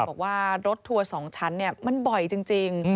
บอกว่ารถทัวร์๒ชั้นมันบ่อยจริง